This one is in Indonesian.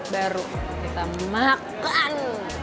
baru kita makan